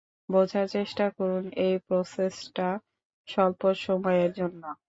বোঝার চেষ্টা করুন, এই প্রসেসটা স্বল্প সময়ের জন্য!